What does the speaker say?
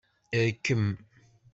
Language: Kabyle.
Rkem.